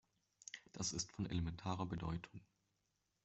Das ist von elementarer Bedeutung.